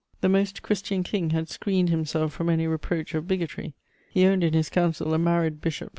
The "Most Christian" King had screened himself from any reproach of bigotry: he owned in his Council a married bishop, M.